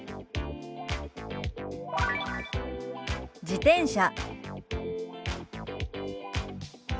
「自転車」。